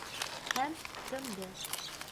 Һәм тымды.